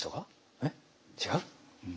えっ違う？